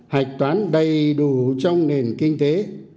hạch toán đầy đủ trong nền kinh tế